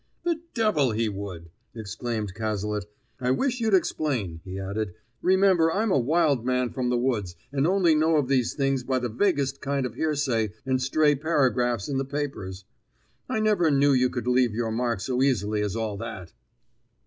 "The devil he would!" exclaimed Cazalet. "I wish you'd explain," he added; "remember I'm a wild man from the woods, and only know of these things by the vaguest kind of hearsay and stray paragraphs in the papers. I never knew you could leave your mark so easily as all that."